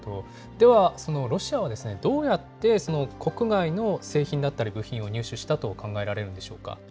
では、そのロシアは、どうやって国外の製品だったり部品を入手したと考えられるんでしょうか。